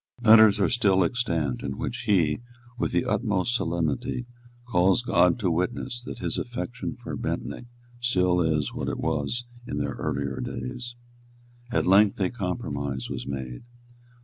Letters are still extant in which he, with the utmost solemnity, calls God to witness that his affection for Bentinck still is what it was in their early days. At length a compromise was made.